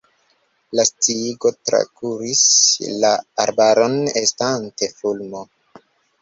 La sciigo trakuris la arbaron estante fulmo.